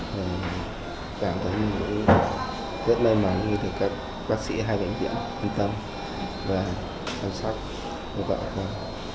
và cảm thấy rất may mắn vì các bác sĩ hai bệnh viện an tâm và chăm sóc bố vợ con